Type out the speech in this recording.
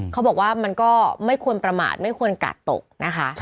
เขาบอกว่ามันก็ไม่ควรประมาทไม่ควรกาดตกนะคะ